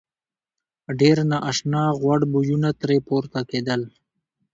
ډېر نا آشنا غوړ بویونه ترې پورته کېدل.